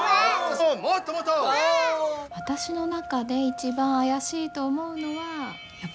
私の中で一番怪しいと思うのはやっぱり萌先生。